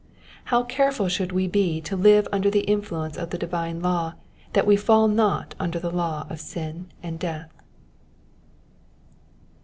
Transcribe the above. How careful should we be to live under the influence of the divine law that we fall not under the law of sin and death.